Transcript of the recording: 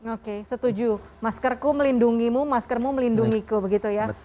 oke setuju masker ku melindungimu maskermu melindungiku begitu ya